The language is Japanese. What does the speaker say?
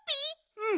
うん。